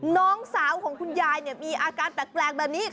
น้องสาวของคุณยายมีอาการแปลกแบบนี้